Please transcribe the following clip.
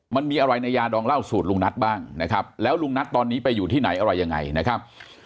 มันมีอะไรในยาดองเล่าสูตรลุงนัทบ้างนะครับแล้วลุงนัทตอนนี้ไปอยู่ที่ไหนอะไรยังไงนะครับ